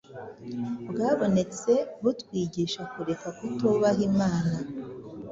bwabonetse, butwigisha kureka kutubaha Imana,